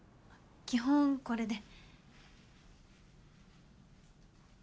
基本これで。